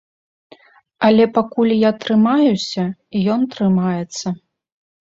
Але пакуль я трымаюся, ён трымаецца.